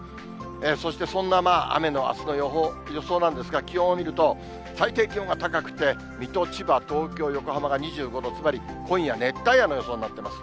そして、そんな雨のあすの予想なんですが、気温を見ると、最低気温が高くて、水戸、千葉、東京、横浜が２５度、つまり今夜、熱帯夜の予想になってます。